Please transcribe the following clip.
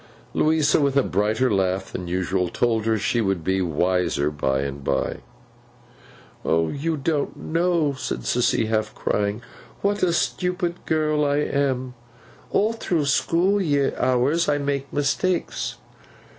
Louisa, with a brighter laugh than usual, told her she would be wiser by and by. 'You don't know,' said Sissy, half crying, 'what a stupid girl I am. All through school hours I make mistakes.